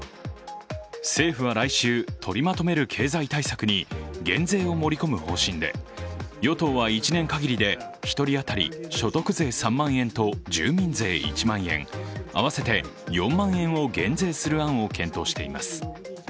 政府は来週取りまとめる経済対策に減税を盛り込む方針で、与党は１年限りで、１人当たり所得税３万円と合わせて４万円を減税する案を検討しています。